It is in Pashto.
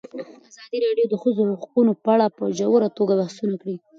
ازادي راډیو د د ښځو حقونه په اړه په ژوره توګه بحثونه کړي.